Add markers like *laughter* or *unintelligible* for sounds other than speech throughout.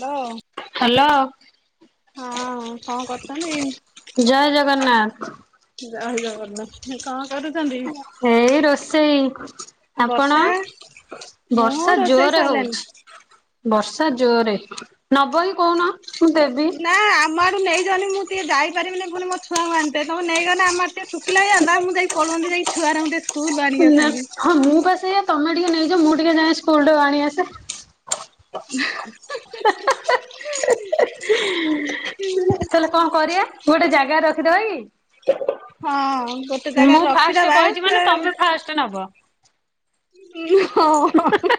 ହାଲ ହ୍ୟାଲୋ ହଁ କଁ କରୁଚନ୍ତି? ଜୟ ଜଗନ୍ନାଥ୍‌। ଜୟ ଜଗନ୍ନାଥ ହେ କଁ ହେଇ ରୋଷେଇ ଆପଣ? ବର୍ଷା ମୁଁ ବର୍ଷା ରୋଷେଇ ଜୋରରେ ସରିଲାଣି ହଉଚି ବର୍ଷା ଜୋରରେ ନବ ଇ ନା ଆମ ଆଡେ ନେଇ ଯାଅନି ମୁଁ ଟିକେ ଯାଇପାରିବିନି ପୁଣି ମୋ ଛୁଆ ଙ୍କୁ ଆ ସେ ସବୁ ନେଇଗଲେ ଆମ ଆଡେ ଟିକେ ଶୁଖିଲହେଇଯାଆନ୍ତା ମୁଁ ଯାଇ ପଳନ୍ତି ଯାଇ ଛୁଆ ଉରାଙ୍କୁ ଟିକେ ସ୍କୁଲରୁ ଆଣିକି ନା ଆସନ୍ତି ହଁ ମୁଁ ପା ସେୟା ତମେ ଟିକେ ନେଇଜ ମୁଁ ଟିକେ ଯାଏ ସ୍କୁଲୁ ରୁ ଆଣି ଆସେ। *unintelligible* ତାହଲେ କଁ କରିବା ଗୋଟେ ଜାଗାରେ ରଖିଦବା କି? ହଁ ଗୋଟେ ଜାଗାରେ ରଖିଦବା ସେ ଫାଷ୍ଟେ ନବ। ଉଁ ହଁ ହଁ।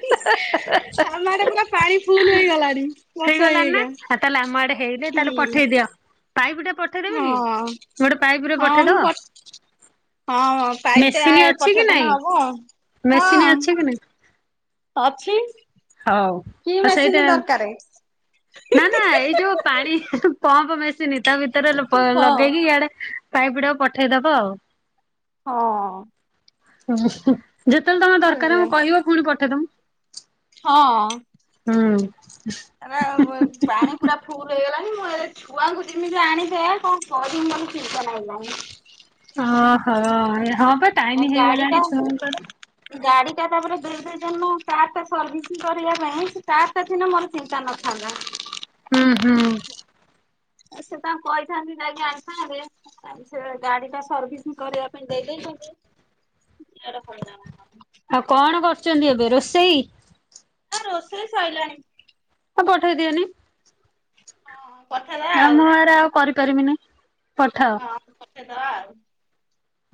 ଆମ ଆଡ଼େ ପୁରା ପାଣି ଫୁଲୁ ହେଇଗଲାଣି ବର୍ଷା ହେଇ ହେଇକା। ଆ ତାହେଲେ ଆମ ଆଡେ ହେଇନି ତାହେଲେ ହୁଁ ପଠେଇଦି ପାଇପି ଟେ ପଠେଇଦେବି କି ହଁ ଗୋଡେ ପାଇପି ଟେ ପଠେଇଦବ? ମୁଁ ହଁ ହଁ ପାଇପ ଟେ ଆ ମେସିନ୍ ଅଛି କି ପଠେଇଦଉନ ନାଇଁ ହବ ହଁ। ମେସିନ୍ ଅଛି କି ନାଇଁ? ଅଛି। ହଉ କି ହ ସେଇଟା ମେସିନ୍ ଦରକାରେ? ନା ନା ଏଇ ଯୁ ପାଣି ପମ୍ପ ମେସିନି ତା ଭିତରେ ଲ ପ ହଁ। ଲଗେଇକି ଇଆଡେ ପାଇପି ଟାକୁ ପଠେଇଦବ ଆଉ। ହଁ ଅଁ। ହଁ ଯେତଳେ ତମ ଦରକାର ସେଇଆ। ମୁ କହିବ ପୁଣି ପଠେଇଦମୁ ହଁ। ହୁଁ। ମାନେପାଣି ପୁରା ଫୁଲ୍ ହେଇଗଲାଣିି ମୁଁ ଏଆଡେ ଛୁଆଙ୍କୁ ଯିମିତି ଆଣିତେ କଁ କରିମି ମୋତେ ଚିନ୍ତା ନାଗିଲାଣି। ଅଁ ହ ହଁ ବା ଟାଇମ ଏ ଗାଡ଼ି ଟା ହେଇଗଲାଣି ଛୁଆଙ୍କର। ଗାଡ଼ି ଟା ତାପରେ ଦୁଇଦୁଇଦିନି *inaudible* କାର୍ ଟା ସର୍ଭିସି କରିବା ପାଇଁ ସେ କାର୍ ସେଦିନ ମୋର ଚିନ୍ତା ନଥାନ୍ତା। ହୁଁ ହୁଁ। ଏ ସେ ତାଙ୍କୁ କହିଥାନ୍ତି ନାଇଁ ନାଇଁ ଆସିଥାନ୍ତେ ଆଉ ସେ ଗାଡି ଟା ସର୍ଭିସିଂ କରିବା ପାଇଁ ଦେଇ ଦେଇଛନ୍ତି *inaudible* ଆଉ କଣ କରୁଚନ୍ତି ଏବେ ରୋଷେଇ? ରୋଷେଇ ସଇଲାଣି। ତ ପଠେଇ ଦିଅନି। କଥା ଆ ଆଉ ମୁଁ ଏରା ଆଉ କରିପାରିବିନି ପଠା। ହଁ ପଠେଇଦବା ଆଉ।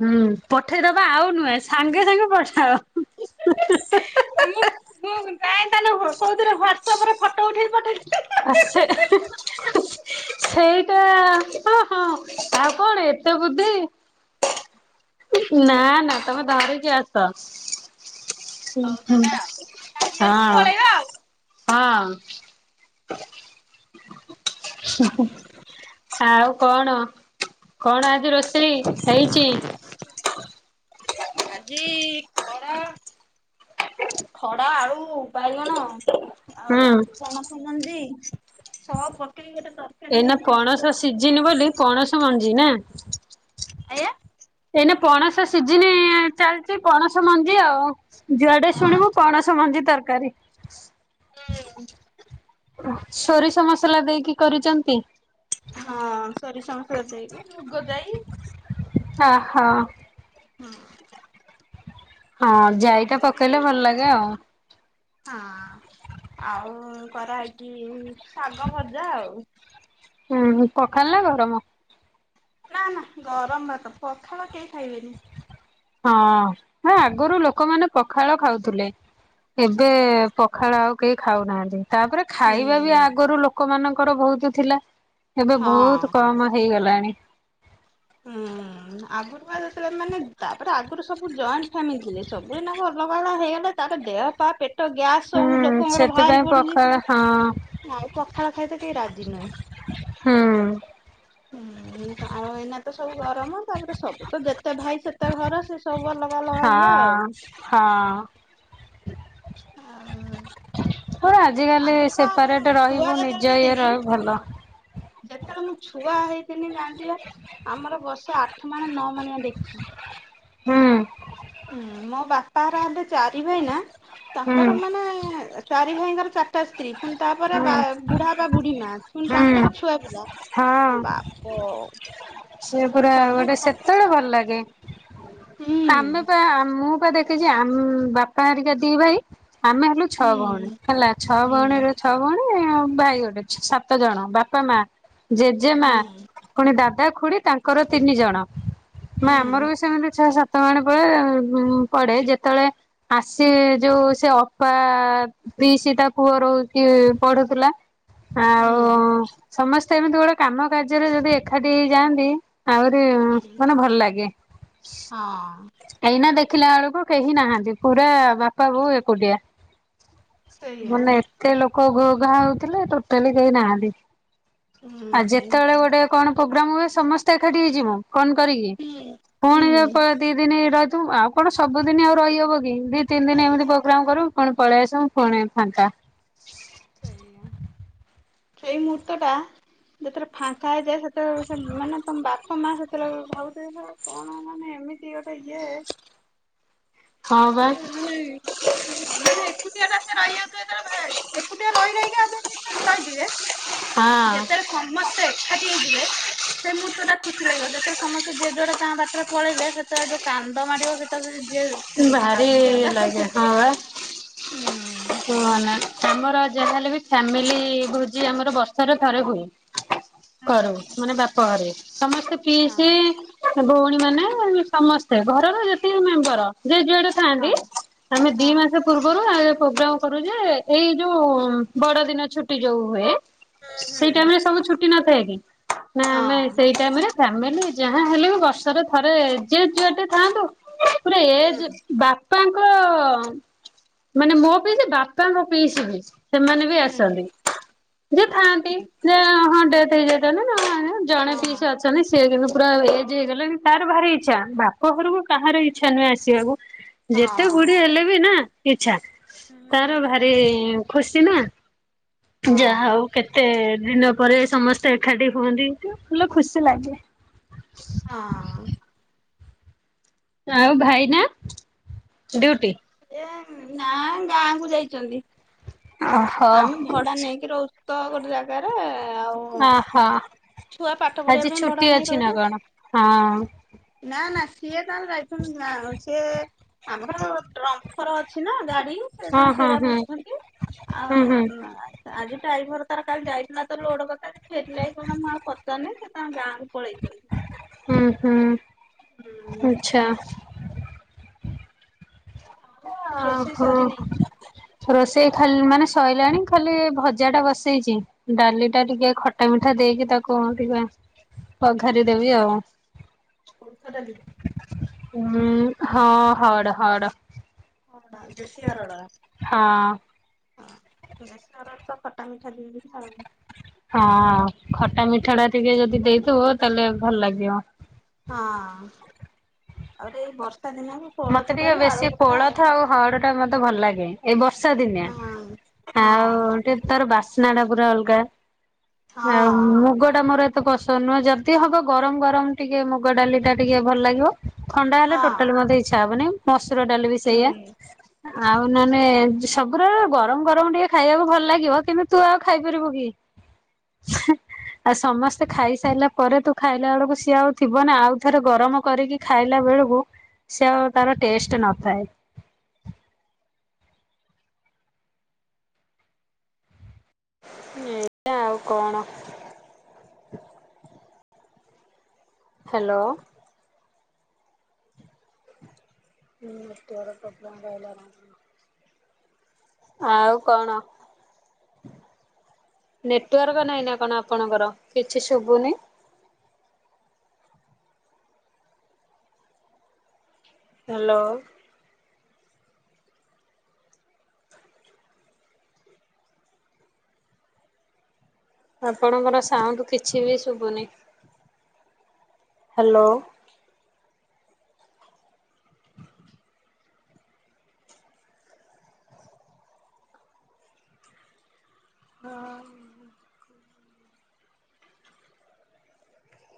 ହୁଁ ପଠେଇଦବା ଆଉ ନୁହେଁ ସାଙ୍ଗେ ସାଙ୍ଗେ ପଠାଅ। ହେ ମୁଁ ମୁଁ ଯାଏଁ ତାହେଲେ ଘରକ୍ କୋଉଥିରେ ହ୍ୱାଟସଅପ ରେ ଫଟୋ ଉଠେଇକି ପଠେଇ *inaudible* ସେଇଟା ହଁ ହଁ ଆଉ କଣ ଏତେ ବୁଦ୍ଧି? ନା ନା ତମେ ବାବେଇକି ଆସ। ହଉ ତାହେଲେ ଆଉ ଗାଡି ଅଛି ହଁ। ପଳେଇବା ଆଉ ହଁ। ଆଉ କଣ? କଣ ଆ ରୋଷେଇ ହେଇଚି? ଆଜି ଖଡ଼ା, ଖଡ଼ା ଆଉ ବାଇଗଣ ଆଉ ହୁଁ ପଣସ ମଞ୍ଜି। ସବ୍ ପକେଇକି ଗୋଟେ ତରକାରୀ ଏଇନା ହେଇଛି ପଣସ ସିଜିନି ବୋଲି ଆଉ। ପଣସ ମଞ୍ଜି ନା। ଆଜ୍ଞା। ଏଇନେ ପଣସ ସିଜିିନି ଚାଲଚି ପଣସ ମଞ୍ଜି ଆଉ। ଯୁଆଡେ ହଁ ଶୁଣିବୁ ପଣସ ମଞ୍ଜି ତରକାରୀ। ହୁଁ। ସୋରିଷ ମସଲା ଦେଇକି କରିଚନ୍ତି? ହଁ ସୋରିଷ ମସଲା ଦେଇକି ମୁଗ ଜାଇ। ଆ ହ। ହୁଁ। ହଁ ଜାଇଟା ପକେଇଲେ ଭଲ ସେରା ଲାଗେ ଆଉ। ହଁ, ଆଉ କରାହେଇଛି ଶାଗ ଭଜା ଆଉ। ହୁଁ, ପଖାଳ ନା ଗରମ? ନା ନା ଗରମ ଭାତ, ପଖାଳ କେହି ଖାଇବେନି। ହଁ, ନା ଆଗରୁ ଲୋକମାନେ ପଖାଳ ଖାଉଥିଲେ। ଏବେ ପଖାଳ ଆଉ କେହି ଖାଉନାହାନ୍ତି। ତାପରେ ଖାଇବା ବି ହୁଁ। ଆଗରୁ ଲୋକମାନଙ୍କର ବହୁତ ଥିଲା ଏବେ ହଁ ବହୁତ କମ ହେଇଗଲାଣି। ହୁଁ। ଆଗରୁ ବା ଯେତେବେଳେ ମାନେ ତାପରେ ଆଗରୁ ସବୁ ଜଏଣ୍ଟ ଫ୍ୟାମିଲି ଥିଲେ, ସବୁ ଏଇନାକୁ ଅଲଗା ଅଲଗା ହେଇଗଲେ। ତାପରେ ଦେହପା ପେଟ ଗ୍ୟାସ ସବୁ ହୁଁ ଲୋକଙ୍କର ସେଥିପାଇଁ ବାହାରି ପଡୁଛି। ପଖାଳ ହଁ ନାଇଁ ପଖାଳ ଖାଇବାକୁ ତ କେହି ରାଜି ନୁହଁ। ହୁଁ। ହୁଁ ଆମର ଏଇନା ତ ସବୁ ଗରମ। ତାପରେ ସବୁ ତ ଯେତେ ଭାଇ ସେତେ ଘର ସେ ସବୁ ଅଲ ହଁ ହଁ। ହ। ଆଜିକାଲି ସେପାରେଟ ଛୁଆ ରହିବ ଯେତେବେଳେ ନିଜ ଇଏ ହେଇଥିନି ରହିବ ଭଲ। ଯେତେବେଳେ ମୁଁ ଛୁଆ ହେଇଥିଲି ଜାଣିଛିବା ଆମର ବସେ ଆଠ, ନଅ ମାଣିଆ ଡେକ୍ଚି। ହୁଁ। ହୁଁ, ମୋ ବାପାହେରା ହେଲେ ଚାରି ଭାଇ ନା। ହୁଁ ତାଙ୍କର ମାନେ ଚାରି ଭାଇଙ୍କର ଚାରିଟା ସ୍ତ୍ରୀ। ପୁଣି ତାପରେ ହୁଁ ବା ବୁଢା ବା ବୁଢୀ ମା ପୁଣି ତାଙ୍କ ହୁଁ ତାଙ୍କର ଛୁଆ ପିଲା, ହଁ। ବାପ। ସେ ପୁରା ସବୁ ଗୋଟେ ଖା ସେତେବେଳେ ଭଲ ଲାଗେ। ହୁଁ ଆମେ ପା ମୁଁ ପା ଦେଖିଛି ଆମ୍ ବାପା ହେରିକା ଦି ଭାଇ। ଆମେ ହେଲୁ ଛଅ ଭଉଣୀ ହୁଁ ହେଲା। ଛଅ ହୁଁ ଭଉଣୀ ରୁ ଛଅ ଭଉଣୀ ଭାଇ ଗୋଟେ ସାତ ଜଣ। ବାପା, ମା, ଜେଜେମା ହୁଁ ପୁଣି ଦାଦା, ଖୁଡି ତାଙ୍କର ତିନି ଜଣ। ମା ଆମର ହୁଁ ବି ସେମିତି ଛଅ ସାତ ପଡେ ଯେତେବେଳେ ଆସେ ଯୋଉ ସେ ଅପା ପିଇସି ତା ପୁଅ ରହିକି ପଢୁଥିଲା। ଆଉ ହୁଁ ସମସ୍ତେ ଏମିତି ଗୋଟେ କାମ କାର୍ଯ୍ୟରେ ଯଦି ଏକାଠି ହେଇଯାଆନ୍ତି ଆହୁରି ମାନେ ଭଲ୍ ଲାଗେ। ହଁ। ଏଇନା ଦେଖିଲା ବେଳୁକୁ କେହି ନାହାନ୍ତି ପୁରା ବାପା ବୋଉ ଏକୁଟିଆ। ସେଇଆ ମାନେ ଏତେ ଲୋକ ଘୋଘା ହଉଥିଲେ ଟୋଟାଲି କେହି ନାହାନ୍ତି। ହୁଁ ଆଉ ଯେତେବେଳେ ଗୋଟେ କଣ ପ୍ରୋଗ୍ରାମ୍ ହୁଏ ସମସ୍ତେ ଏକାଠି ହେଇଯିବୁ। ଫୋନ୍ କରିକି ହୁଁ ହୁଁ ପୁଣି ଯୋଉ ଦି ଦିନ ରହିଥିବୁ ଆଉ କଣ ସବୁଦିନ ଆଉ ରହିହବ କି। ଦି ତିନି ଦିନ ଏମିତି ସେଇଆ ପ୍ରୋଗ୍ରାମ କରିବୁ ପୁଣି ପଳେଇ ଆସିବୁ ପୁଣି ଫାଙ୍କା। ସେଇା ମୁହୂର୍ତ୍ତଟା ଯେତେଳେ ଫାଙ୍କା ହେଇଯାଏ ସେତେଳେ ସେ ମାନେ ତମ ବାପା ମା ସେତେଳେ ଭାବୁଥିବେ କଣ ମାନେ ଏମିତି ଗୋଟେ ଇଏ ହଁ ବା ମାନେ ଏକୁଟିଆ ଟା ସେ ରହିବାକୁ *inaudible* ଏକୁଟିଆ ରହି ରହିକା ଅଭ୍ୟାସ *unintelligible* ରହିଯିବେ ହଁ *unintelligible* ସମସ୍ତେ ଏଖାଟି ହେଇଯିବେ ସେ ମୂହୁର୍ତ୍ତ ଟା ଖୁସି ଲାଗିବ ଯେତେଳେ ସମସ୍ତେ ଯିଏ ଯୁଆଡେ ତା ବାଟରେ ପଳେଇଲେ ସେତଳେ ଯୋଉ କାନ୍ଦ ମାଡିବ ଯିଏ ଭାରି ଭାବୁଥିବ ଇଏ ତା *inaudible* ଲାଗେ ହଁ ବା କୁହନା। ଆମର ଯାହାହେଲେ ବି ଫ୍ୟାମିଲି ଭୋଜି ଆମର ବର୍ଷରେ ଥରେ ହୁଏ। କରୁ ମାନେ ବାପ ଘରେ ସମସ୍ତେ ହଁ ପିଇସି ଭଉଣୀ ମାନେ ସମସ୍ତେ ଘରର ଯେତିକି ମେମ୍ବର ଯିଏ ଯୁିଆଡେ ହଁ ଥାଆନ୍ତି ଆମେ ଦି ମାସ ପୂର୍ବରୁ ଆ ପ୍ରୋଗ୍ରାମ କରୁ ଯେ ଏଇ ଯୋଉ ବଡ ଦିନ ଛୁଟି ଯୋଉ ହୁଏ ହୁଁ ସେଇ ଟାଇମ୍ ରେ ସବୁ ଛୁଟି ନଥାଏ କି ନା ଆମେ ହଁ ସେଇ ଟାଇମ୍ ରେ ଫ୍ୟାମିଲି ଯାହା ହେଲେ ବି ବର୍ଷରେ ଥରେ ଯେ ଯୁଆଡେ ଥାନ୍ତୁ ପୁରା ଏ ଏ ଯେ ବାପାଙ୍କ ମାନେ ମୋ ପିଇସି ବାପାଙ୍କ ପିଇସି। ସେମାନେ ବି ହୁଁ ଆସନ୍ତି। ଯିଏ ଥାନ୍ତି ଯେ ହଁ ଡେଥ୍ ହେଇଯାଇଥାନ୍ତି ନା ଜଣେ ହଁ ପିଇସି ଅଛନ୍ତି ସେ କିନ୍ତୁ ପୁରା ଏଜ୍‌ ହେଇଗଲାଣି ତାର ଭାରି ଇଚ୍ଛା ବାପ ଘରକୁ କାହାର ଇଚ୍ଛା ନୁହେଁ ଆସିଆକୁ। ଯେତେ ହଁ ବୁଢୀ ହେଲେ ବି ନା ଇଚ୍ଛା ତାର ଭାରି ଖୁସି ନା। ଯାହଉ ହଁ କେତେ ଦିନ ପରେ ସମସ୍ତେ ଏଖାଟି ହୁଅନ୍ତି ଦେଖିଲେ ଭଲ ଖୁସି ଲାଗେ। ହଁ। ଆଉ ଭାଇନା ଡ୍ୟୁଟି ଏ ନାଁ ଗାଁ କୁ ଯାଇଚନ୍ତି। ଓହୋ। ଆମେ ଭଡା ନେଇକି ରହୁଚୁ ତ ଗୋଟେ *unintelligible* ଆଉ ଅହ ଛୁଆ ପାଠ ପଢିବା ଆଜି ପାଇଁ ଭଡା ଛୁଟି ଅଛି ନା କଣ ହଁ। ନା-ନା ସିଏ ତାହେଲେ ଯାଇଚନ୍ତି ନା ସିଏ ଆମର ଟ୍ରମ୍ଫର ଅଛି ନା ଗାଡି। ସେ ହଁ ତାଙ୍କ ହଁ ସେରା ହୁଁ ବୁଝୁଛନ୍ତି ହୁଁ ଆଉ ହୁଁ ନା। ଆଜି ଟାଇଭର ତାର କାଲି ଯାଇଥିଲା ତ ଲୋଡ କଥା ସେ ଫେରିଲା କି କଣ *unintelligible* ପଚାର୍ ନାଇଁ ସେ ତାଙ୍କ ଗାଁକୁ ପଳେଇଚନ୍ତି। ହୁଁ-ହୁଁ ହୁଁ ଆଚ୍ଛା। ଆଉ ଆଁ ରୋଷେଇ ହଁ। ସରିନି ରୋଷେଇ ଖାଲ୍‌ ମାନେ ସଇଲାଣି ଖାଲି ଭଜାଟା ବସେଇଚି। ଡାଲି ଟା ଟିକେ ଖଟା ମିଠା ଦେଇକି ତାକୁ ଟିକେ ପଘାରି ଦେବି ଆଉ। କୋଳଥ ଡାଲି? ହୁଁ-ହଁ ହଡ୍‌-ହଡ୍‌। *inaudible* ଆମେ ହଁ ଖାଲି ମିଠା ଆଉ ହଁ ଖଟା ମିଠା ଟା ଟିକେ ଯଦି ଦେଇଥବ ତାହେଲେ ଭଲ ଲାଗିବ। ହଁ ଆଉରି ଏଇ ବର୍ଷା ଦିନେ ଆମେ କୋଳଥ ଡାଲି ଆଳୁ ଭର୍ତ୍ତା ଆଉ ହରଡ଼ଟା ମୋତେ ଭଲ ଲାଗେ ଏ ବର୍ଷା ଦିନିଆ ହଁ ହଁ ଆଉ ଟିକେ ତାର ବାସ୍‌ ନାଁଟା ପୁରା ଅଲଗା। ଆ ହଁ। ମୁଗ ନା ମୋର ଏତେ ପସନ୍ଦ ନୁହଁ ଯଦି ହବ ଗରମ ଗରମ ଟିକେ ମୁଗ ଡାଲି ଟା ଟିକେ ଭଲ ଲାଗିବ। ଥଣ୍ଡା ହେଲେ ହଁ ଟୋଟାଲି ମତେ ଇଚ୍ଛା ହବନି ମସୁର ଡାଲି ବି ସେଇଆ। ହୁଁ ଆଉ ନହେନେ ସବୁୁର ଗରମ ଗରମ ଟିକେ ଖାଇବାକୁ ଭଲ ଲାଗିବ କିନ୍ତୁ ତୁ ଆଉ ଖାଇପାରିବୁ କି? ଛେଁ। ଆଉ ସମସ୍ତେ ଖାଇସାରିଲା ପରେ ତୁ ଖାଇଲା ବେଳକୁ ସିଏ ଆଉ ଥିବ ନା ଆଉ ଥରେ ଗରମ କରିକି ଖାଇଲା ବେଳକୁ ସେ ଆଉ ତାର ଟେଷ୍ଟ ନଥାଏ। ହୁଁ ଏ ଆଉ କଣ? ହାଲୋ। ନେଟୱର୍କ ପ୍ରବଲେମ୍ ପାଇଲା ନାହିଁ। ଆଉ କଣ? ନେଟୱାର୍କ ନାହିଁ ନା କଣ ଆପଣଙ୍କର କିଛି ଶୁବୁନି। ହାଲୋ। ଆପଣଙ୍କର ସାଉଣ୍ଡ କିଛି ବି ଶୁଭୁନି। ହାଲୋ। ହଁ।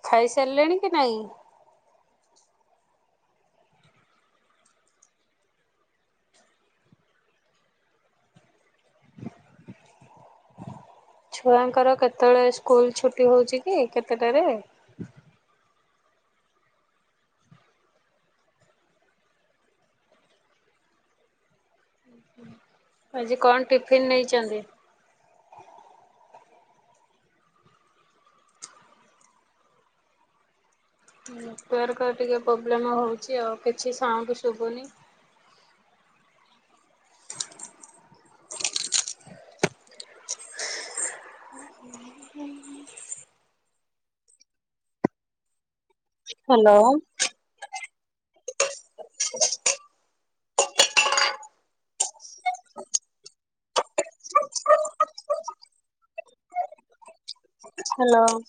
ଖାଇସାରିଲେଣି କି ନାଇଁ? ଛୁଆଙ୍କର କେତବେଳେ ସ୍କୁଲ ଛୁଟି ହଉଛି କି କେତେଟାରେ? ଆଜି କଣ୍ ଟିଫିନ ନେଇଛନ୍ତି? ନେଟୱାର୍କ ଟିକେ ପୋବ୍ଲେମ୍ ହଉଚି ଆଉ କିଛି ସାଉଣ୍ଡ ଶୁବୁନି। *unintelligible* ହାଲୋ। *unintelligible* ହାଲୋ।